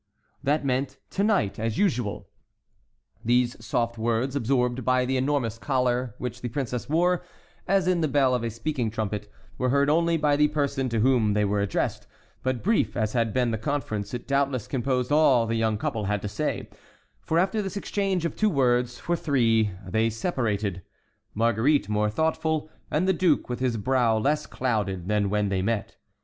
That meant: "To night, as usual." These soft words, absorbed by the enormous collar which the princess wore, as in the bell of a speaking trumpet, were heard only by the person to whom they were addressed; but brief as had been the conference, it doubtless composed all the young couple had to say, for after this exchange of two words for three, they separated, Marguerite more thoughtful and the duke with his brow less clouded than when they met.